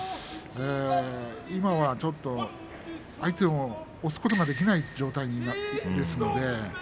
今は相手を押すことができない状態になっています。